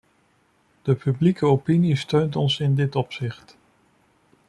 De publieke opinie steunt ons in dit opzicht.